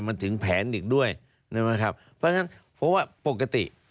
มาถึงแผนอีกด้วยเพราะฉะนั้นโปรกติ